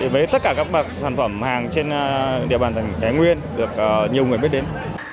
với tất cả các sản phẩm hàng trên địa bàn thái nguyên được nhiều người biết đến